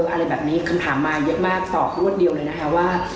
อะไรแบบนี้คำถามมาเยอะมากสอบรวดเดียวเลยนะคะว่า